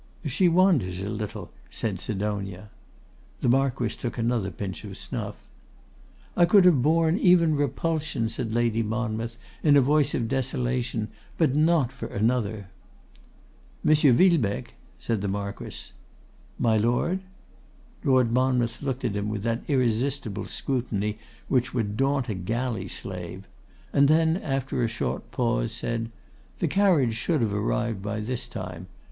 'She wanders a little,' said Sidonia. The Marquess took another pinch of snuff. 'I could have borne even repulsion,' said Lady Monmouth, in a voice of desolation, 'but not for another!' 'M. Villebecque!' said the Marquess. 'My Lord?' Lord Monmouth looked at him with that irresistible scrutiny which would daunt a galley slave; and then, after a short pause, said, 'The carriage should have arrived by this time.